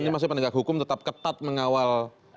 ini maksudnya penegak hukum tetap ketat mengawal